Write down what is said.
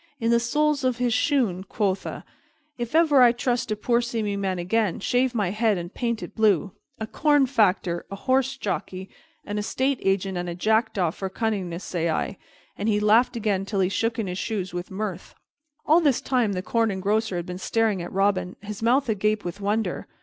In the soles of his shoon, quotha! If ever I trust a poor seeming man again, shave my head and paint it blue! A corn factor, a horse jockey, an estate agent, and a jackdaw for cunningness, say I!" And he laughed again till he shook in his shoes with mirth. All this time the Corn Engrosser had been staring at Robin, his mouth agape with wonder.